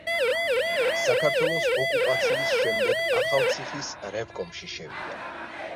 საქართველოს ოკუპაციის შემდეგ ახალციხის რევკომში შევიდა.